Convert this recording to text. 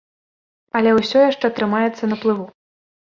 Але ўсё яшчэ трымаецца на плыву.